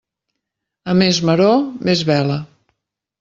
A més maror, més vela.